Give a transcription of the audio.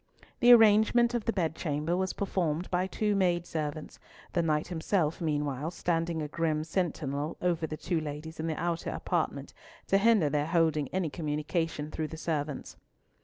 The arrangement of the bed chamber was performed by two maidservants, the Knight himself meanwhile standing a grim sentinel over the two ladies in the outer apartment to hinder their holding any communication through the servants.